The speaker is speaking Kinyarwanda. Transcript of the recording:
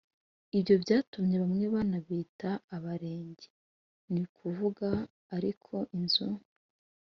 ibyo byatumye bamwe banabita abarenge: ni ukuvuga ariko inzu